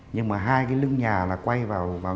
nhưng mà hai cái lưng nhà là quay vào